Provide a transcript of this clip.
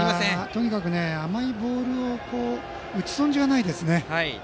とにかく、甘いボールは打ち損じがないですね。